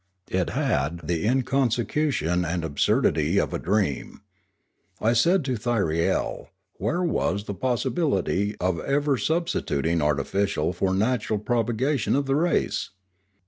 It had the inconsecution and absurdity of a dream. I said to Thyriel, where was the possibility of ever substituting artificial for natural propagation of the race